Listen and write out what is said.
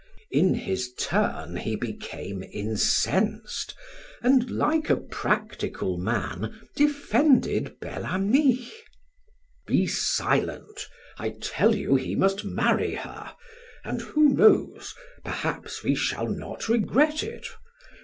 In his turn he became incensed, and like a practical man defended Bel Ami. "Be silent! I tell you he must marry her! And who knows? Perhaps we shall not regret it!